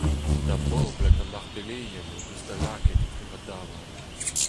Da bobl hag an Arc’hbeleien o deus da lakaet etre va daouarn.